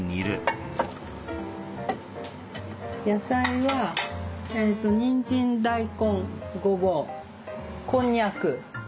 野菜はえっとにんじん大根ごぼうこんにゃく。